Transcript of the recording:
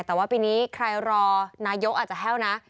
แต่ว่าปีนี้ใครรอนายกอาจจะแห้วนะ